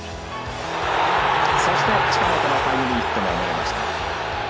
そして近本のタイムリーヒットが生まれました。